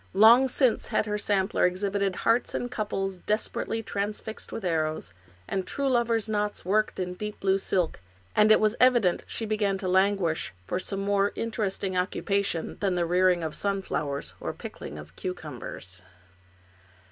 Long since had her sampler exhibited hearts in couples desperately transfixed with arrows, and true lovers' knots worked in deep blue silk, and it was evident she began to languish for some more 1 68 Washington Irving interesting occupation than the rearing of sunflowers or pickling of cucumbers.